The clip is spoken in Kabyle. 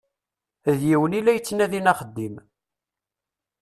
D yiwen i la yettnadin axeddim.